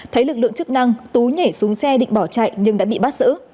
thấy lực lượng chức năng tú nhảy xuống xe định bỏ chạy nhưng đã bị bắt giữ